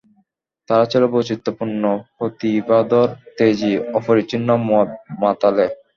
তারা ছিল বৈচিত্র্যপূর্ণ, প্রতিভাধর, তেজী, অপরিচ্ছন্ন, মদ-মাতালে।